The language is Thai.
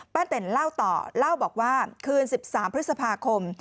เต็นเล่าต่อเล่าบอกว่าคืน๑๓พฤษภาคม